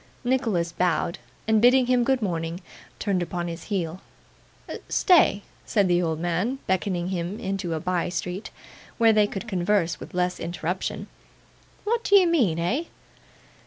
Nicholas bowed, and bidding him good morning, turned upon his heel. 'Stay,' said the old man, beckoning him into a bye street, where they could converse with less interruption. 'What d'ye mean, eh?